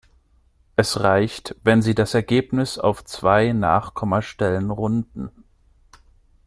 Es reicht, wenn Sie das Ergebnis auf zwei Nachkommastellen runden.